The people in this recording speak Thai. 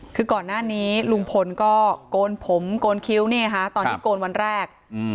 คือก่อนหน้านี้ลุงพลก็โกนผมโกนคิ้วตอนที่โกนวันแรก